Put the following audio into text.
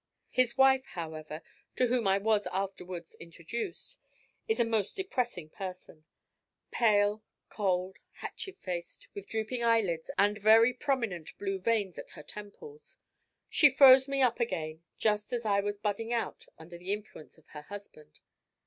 His wife, however, to whom I was afterwards introduced, is a most depressing person, pale, cold, hatchet faced, with drooping eyelids and very prominent blue veins at her temples. She froze me up again just as I was budding out under the influence of her husband.